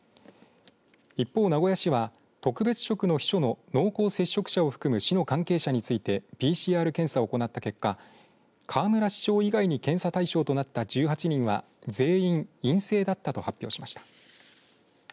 一方、名古屋市は特別職の秘書の濃厚接触者を含む市の関係者についてＰＣＲ検査を行った結果河村市長以外に検査対象となった１８人は全員、陰性だったと発表しました。